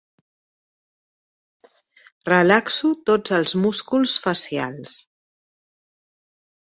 Relaxo tots els músculs facials.